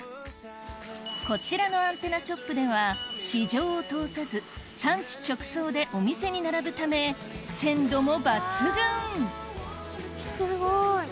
こちらのアンテナショップでは市場を通さず産地直送でお店に並ぶため鮮度も抜群すごい。